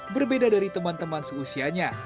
berbeda dari teman teman seusianya